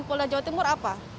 dan pulau jawa tenggara apa